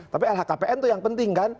tapi lhkpn itu yang penting kan